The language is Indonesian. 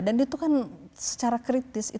dan itu kan secara kritis